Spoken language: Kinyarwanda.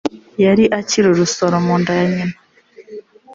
yari akiri urusoro munda ya nyina